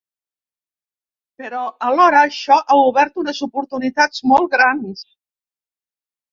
Però alhora això ha obert unes oportunitats molt grans.